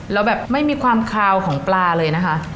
แล้วแบบไม่มีความคาวของปลาเลยนะคะ